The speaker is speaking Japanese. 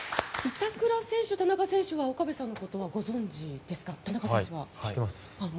板倉選手、田中選手は岡部さんのことははい、知ってます。